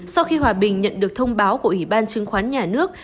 sau khi hòa bình nhận được thông báo của ủy ban chứng khoán nhà nước